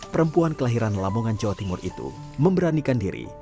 perempuan kelahiran lamongan jawa timur itu memberanikan diri